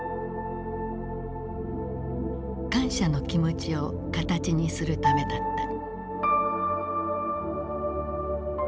感謝の気持ちを形にするためだった。